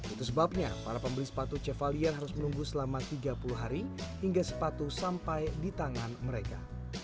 itu sebabnya para pembeli sepatu cevalier harus menunggu selama tiga puluh hari hingga sepatu sampai di tangan mereka